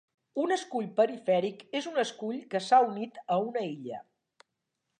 Un escull perifèric és un escull que s"ha unit a una illa.